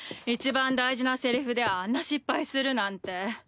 いちばん大事なセリフであんな失敗するなんて。